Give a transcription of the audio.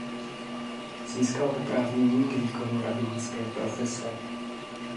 Získal oprávnění k výkonu rabínské profese.